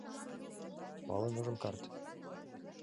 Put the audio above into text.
— Пален ыжым карт...